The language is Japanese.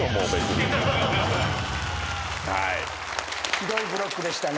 ひどいブロックでしたね。